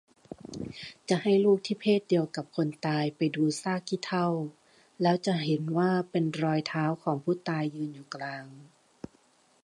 จะให้ลูกที่เพศเดียวกับคนตายไปดูซากขี้เถ้า แล้วจะเห็นว่าเป็นรอยเท้าของผู้ตายยืนอยู่กลาง